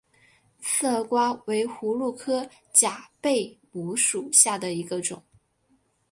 刺儿瓜为葫芦科假贝母属下的一个种。